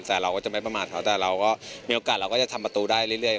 แต่เราก็จะไม่ประมาทเขาแต่เราก็มีโอกาสเราก็จะทำประตูได้เรื่อย